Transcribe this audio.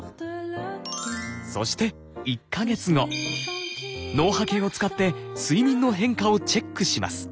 そして脳波計を使って睡眠の変化をチェックします。